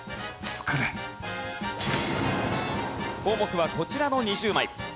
項目はこちらの２０枚。